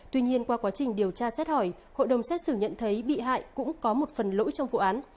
tuy nhiên qua quá trình điều tra xét hỏi hội đồng xét xử nhận thấy bị hại cũng có một phần lỗi trong vụ án